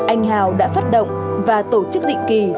anh hào đã phát động và tổ chức định kỳ